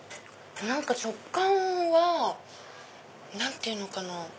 食感は何て言うのかな？